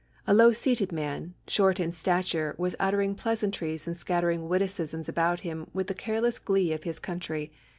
A low seated man, short in stature, was uttering pleasantries and scattering witticisms about him with the careless glee of his country.